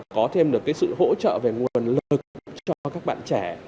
có thêm được sự hỗ trợ về nguồn lực cho các bạn trẻ